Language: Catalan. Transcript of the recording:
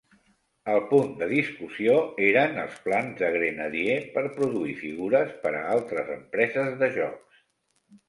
El punt de discussió eren els plans de Grenadier per produir figures per a altres empreses de jocs.